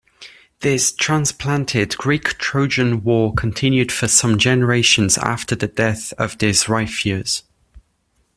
This 'transplanted' Greek-Trojan war continued for some generations after the death of this Ripheus.